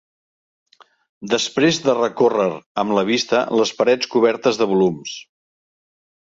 Després de recórrer amb la vista les parets cobertes de volums..